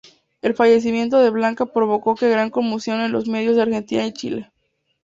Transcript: El fallecimiento de Blanca provocó gran conmoción en los medios de Argentina y Chile.